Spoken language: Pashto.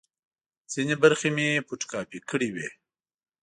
ځینې برخې مې فوټو کاپي کړې وې.